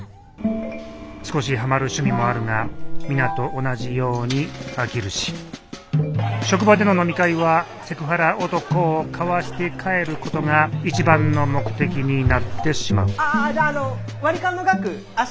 少しハマる趣味もあるが皆と同じように飽きるし職場での飲み会はセクハラ男をかわして帰ることが一番の目的になってしまうああ